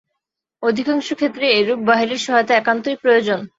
অধিকাংশ ক্ষেত্রে এরূপ বাহিরের সহায়তা একান্তই প্রয়োজন।